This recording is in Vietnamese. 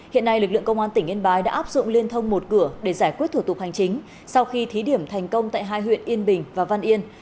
hiện nay lực lượng công an tỉnh yên bái đã áp dụng liên thông một cửa để giải quyết thủ tục hành chính sau khi thí điểm thành công tại hai huyện yên bình và văn yên